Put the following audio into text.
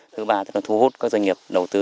thứ ba là thu hút các doanh nghiệp đầu tư